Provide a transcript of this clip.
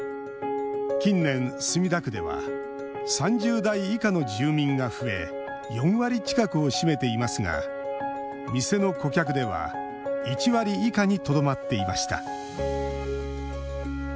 近年、墨田区では３０代以下の住民が増え４割近くを占めていますが店の顧客では１割以下にとどまっていました。